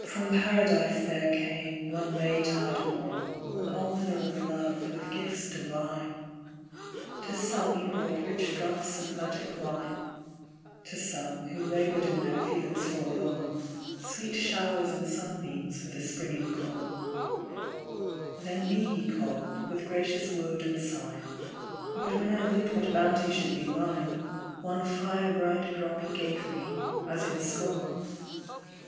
From Paradise there came, one Maytide morn, An Almoner of love, with gifts divine : To some he brought rich draughts of magic wine ; To some, who laboured in their fields forlorn, Sweet showers and sunbeams for the springing corn ; Then me he called, with gracious word and sign, But when I looked what bounty should be mine, One fire bright drop he gave me, as in scorn.